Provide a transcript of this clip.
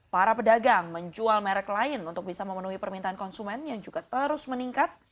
para pedagang menjual merek lain untuk bisa memenuhi permintaan konsumen yang juga terus meningkat